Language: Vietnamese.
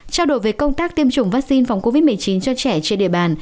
trao đổi về công tác tiêm chủng vaccine phòng covid một mươi chín cho trẻ trên địa bàn